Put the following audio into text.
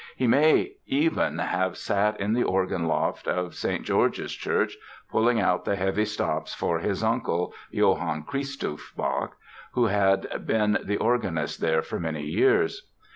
He may even have sat in the organ loft of St. George's Church, pulling out the heavy stops for his uncle, Johann Christoph Bach, who had been the organist there for many years.